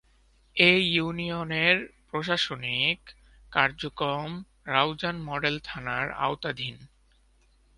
এ ইউনিয়নের প্রশাসনিক কার্যক্রম রাউজান মডেল থানার আওতাধীন।